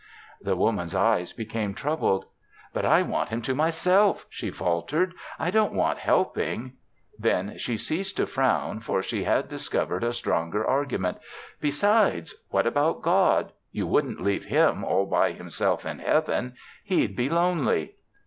The Woman's eyes became troubled. "But I want him to myself," she faltered. "I don't want helping." Then she ceased to frown, for she had discovered a stronger argument. "Besides, what about God? You wouldn't leave Him all by Himself in Heaven. He'd be lonely."